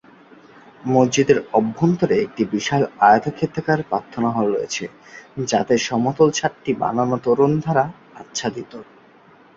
মসজিদের অভ্যন্তরে একটি বিশাল আয়তক্ষেত্রাকার প্রার্থনা হল রয়েছে যাতে সমতল ছাদটি বানানো তোরণ দ্বারা আচ্ছাদিত।